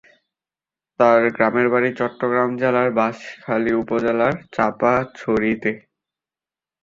তার গ্রামের বাড়ি চট্টগ্রাম জেলার বাঁশখালী উপজেলার চাপাছড়িতে।